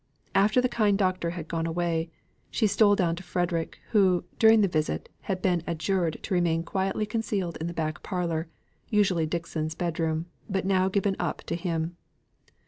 After the kind doctor had gone away, she stole down to Frederick, who, during the visit, had been adjured to remain quietly concealed in the back parlour, usually Dixon's bedroom, but now given up to him.